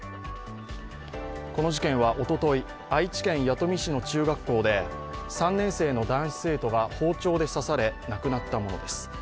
この事件はおととい、愛知県弥富市の中学校で３年生の男子生徒が包丁で刺され亡くなったものです。